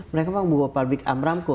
mereka mau membuat public amramco